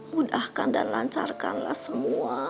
mudahkan dan lancarkanlah semua